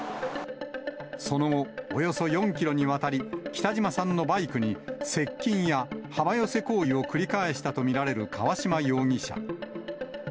その後、およそ４キロにわたり、北島さんのバイクに、接近や幅寄せ行為を繰り返したと見られる川島容疑者。